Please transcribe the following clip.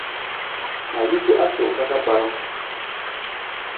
Ma juku asowang ka ka kparang.